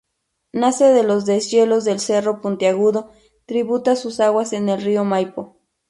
Nace de los deshielos del Cerro Puntiagudo, tributa sus aguas en el río Maipo.